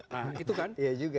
nah itu kan